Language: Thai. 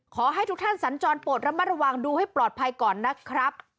ขอให้ทุกท่านสัญจรปวดระมัดระวังดูให้ปลอดภัยก่อนนะครับ